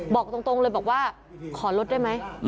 บอกตรงเลยบอกว่าขอลดได้ไหม